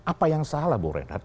apa yang salah bu renat